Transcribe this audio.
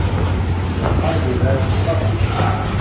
وَالأَرضِ ذاتِ الصَّدعِ